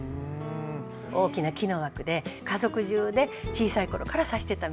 大きな木の枠で家族中で小さい頃から刺してたみたいです。